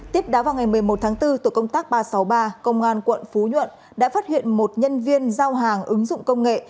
tiếp đó vào ngày một mươi một tháng bốn tổ công tác ba trăm sáu mươi ba công an quận phú nhuận đã phát hiện một nhân viên giao hàng ứng dụng công nghệ